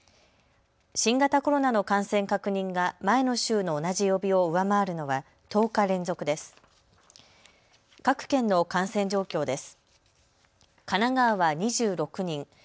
新型コロナの感染確認が前の週の同じ曜日を上回るのは１０日連続です。